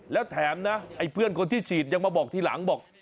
แล้วแถมนะไอ้เพื่อนคนที่ฉีดยังมาบอกทีหลังบอก